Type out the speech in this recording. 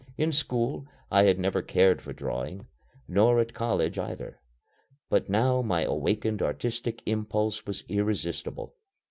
In school I had never cared for drawing; nor at college either. But now my awakened artistic impulse was irresistible.